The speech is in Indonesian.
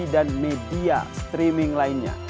dan media streaming lainnya